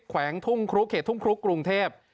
แขกทุ่งครุกกรุงเทพ